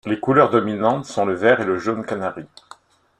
Les couleurs dominantes sont le vert et le jaune canari.